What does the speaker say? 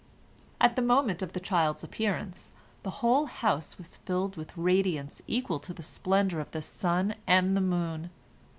At the moment of the child's appearance, the whole house was filled with radiance equal to the splendor of the sun and the moon.